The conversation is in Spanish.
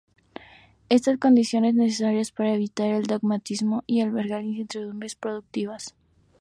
Estas son condiciones necesarias para evitar el dogmatismo y albergar incertidumbres productivas.